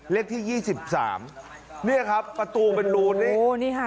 เลขที่ยี่สิบสามเนี่ยครับประตูเป็นรูนนี่โอ้นี่ค่ะ